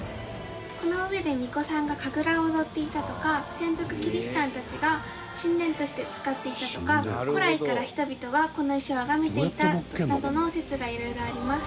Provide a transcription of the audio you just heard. この上で巫女さんが神楽を踊っていたとか潜伏キリシタンたちが神殿として使っていたとか古来から人々がこの石を崇めていたなどの説がいろいろあります。